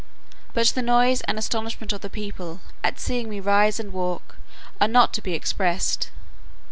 But the noise and astonishment of the people, at seeing me rise and walk, are not to be expressed.